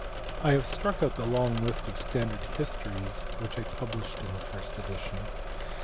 I have struck out the long list of standard histories which I published in the first edition.